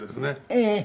ええ。